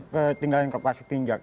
ketinggalan ke pasit tinggi